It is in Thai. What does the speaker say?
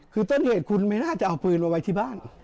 คือต้นเหตุคุณไม่น่าจะเอาปืนมาไว้ที่บ้าน